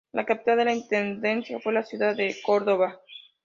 La capital de la intendencia fue la ciudad de Córdoba.